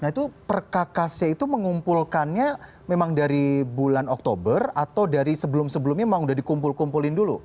nah itu perkakasnya itu mengumpulkannya memang dari bulan oktober atau dari sebelum sebelumnya memang udah dikumpul kumpulin dulu